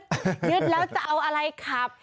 ยึดแล้วจะเอาอะไรขับ